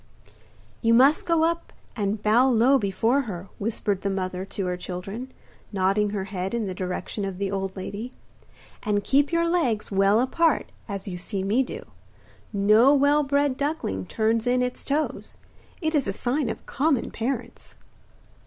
'You must go up and bow low before her,' whispered the mother to her children, nodding her head in the direction of the old lady, 'and keep your legs well apart, as you see me do. No well bred duckling turns in its toes. It is a sign of common parents.